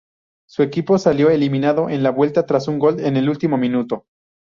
Su equipo salió eliminado en la vuelta tras un gol en el último minuto.